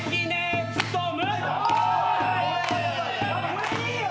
これいいよ！